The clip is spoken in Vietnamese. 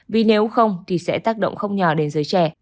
vì nếu không thì sẽ tác động không nhỏ đến giới trẻ